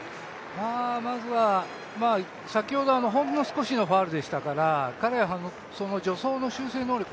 まずは先ほどほんの少しのファウルでしたから彼は助走の修正能力